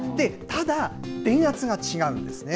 ただ、電圧が違うんですね。